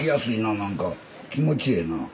何か気持ちええな。